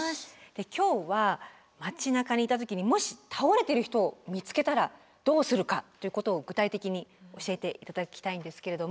今日は街なかにいた時にもし倒れてる人を見つけたらどうするかということを具体的に教えて頂きたいんですけれども。